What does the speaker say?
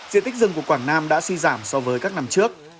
diện tích rừng của quảng nam đã suy giảm so với các năm trước